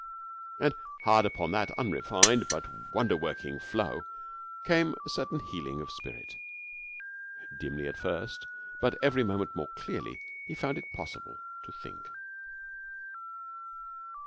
And hard upon that unrefined but wonder working flow came a certain healing of spirit. Dimly at first but every moment more clearly, he found it possible to think.